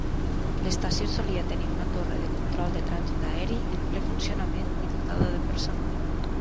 L'estació solia tenir una torre de control de trànsit aeri en ple funcionament i dotada de personal.